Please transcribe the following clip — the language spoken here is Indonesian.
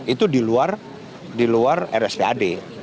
itu di luar rspad